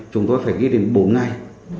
chúng tôi phải ghi đến bốn ngày